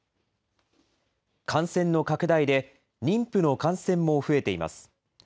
感染の拡大で、妊婦の感染も増えています。